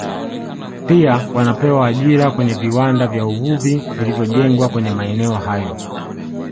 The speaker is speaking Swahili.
Pia wanapewa ajira kwenye viwanda vya uvuvi vilivyojengwa kwenye maeneo hayo